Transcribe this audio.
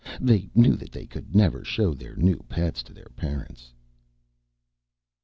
They knew that they could never show their new pets to their parents.